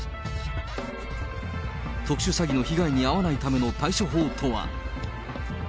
特殊詐欺の被害に遭わないための対処法とは。